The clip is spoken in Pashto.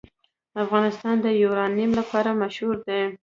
افغانستان د یورانیم لپاره مشهور دی.